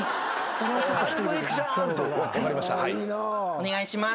お願いします。